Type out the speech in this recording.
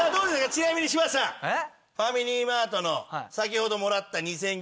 ちなみに柴田さんファミリーマートの先ほどもらった２０００円